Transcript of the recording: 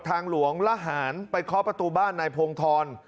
ทางหลวงละหารไปเคาะประตูบ้านนายพงธร